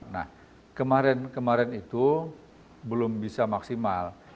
nah kemarin kemarin itu belum bisa maksimal